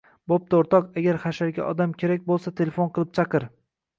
Bo‘pti o‘rtoq, agar hasharga odam kerak bo‘lsa, telefon qilib chaqir